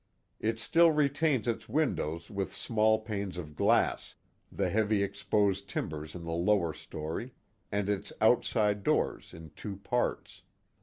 It still retains its windows with small panes of glass, the heavy exposed timbers in the lower story, and its outside doors in two parts.